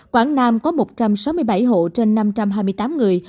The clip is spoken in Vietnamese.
quảng nam có một trăm sáu mươi bảy hộ